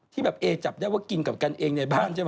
ที่แบบเอจับได้ว่ากินกับกันเองในบ้านใช่ไหม